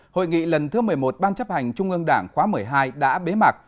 hội nghị lần thứ một mươi một ban chấp hành trung ương đảng khóa một mươi hai đã bế mạc